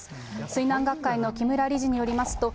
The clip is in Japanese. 水難学会の木村理事によりますと、